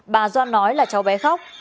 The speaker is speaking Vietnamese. bà doan nói là cháu bé khóc